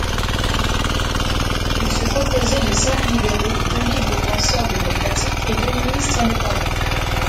Il se composait de cinq libéraux, deux libres penseurs démocratiques, et deux ministres indépendants.